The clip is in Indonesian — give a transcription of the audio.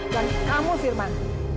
dan kamu firman